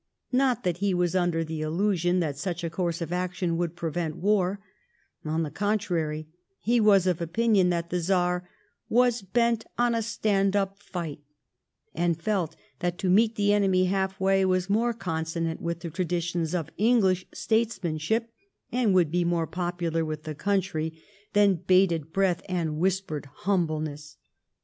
Not that he was under the illusion that snob a oonrse of action wonld prevent war; on the contrary, he was of opinion that the Czar " was bent on a stand np fight," and felt that to meet the enemy half way was more consonant with the traditions of English statesmanship, and wonld be more popular with the coontry, than bated breath and whispered humbleness.